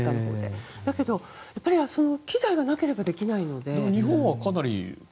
だけど機材がなければできないので。